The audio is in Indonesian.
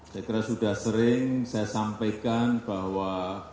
saya kira sudah sering saya sampaikan bahwa